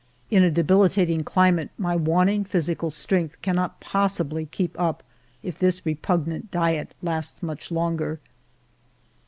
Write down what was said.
In a debilitating climate, my waning physical strength cannot possibly keep up if this repugnant diet lasts much longer.